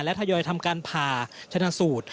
และทยอยทำการผ่าชนะสูตร